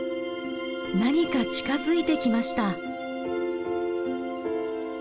何か近づいてきました。